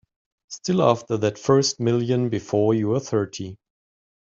Still after that first million before you're thirty.